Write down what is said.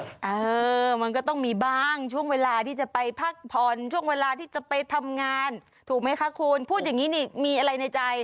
เออมันก็ต้องมีบ้างช่วงเวลาที่จะไปพักผ่อนช่วงเวลาที่จะไปทำงานถูกไหมคะคุณพูดอย่างนี้นี่มีอะไรในใจ